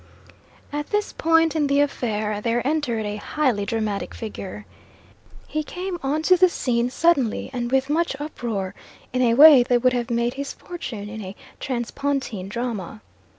At this point in the affair there entered a highly dramatic figure. He came on to the scene suddenly and with much uproar, in a way that would have made his fortune in a transpontine drama.